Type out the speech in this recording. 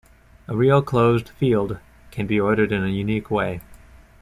A real closed field can be ordered in a unique way.